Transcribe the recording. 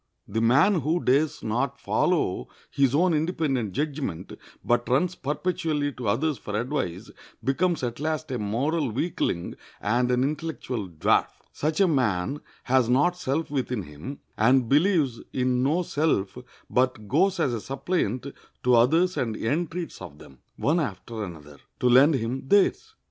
The man who dares not follow his own independent judgment, but runs perpetually to others for advice, becomes at last a moral weakling and an intellectual dwarf. Such a man has not self within him, and believes in no self, but goes as a suppliant to others and entreats of them, one after another, to lend him theirs.